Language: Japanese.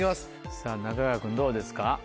さぁ中川君どうですか？